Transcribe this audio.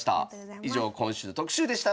以上今週の特集でした。